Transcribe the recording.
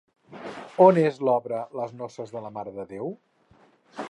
On és l'obra Les noces de la Mare de Déu?